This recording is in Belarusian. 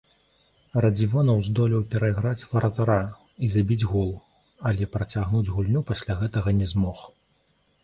Радзівонаў здолеў перайграць варатара і забіць гол, але працягнуць гульню пасля гэтага не змог.